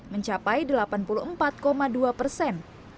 mencapai delapan puluh empat dua persen